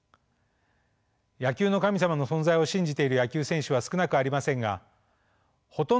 野球の神様の存在を信じている野球選手は少なくありませんがほとんどの選手にとっての野球の神様は